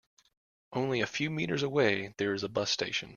Only a few meters away there is a bus station.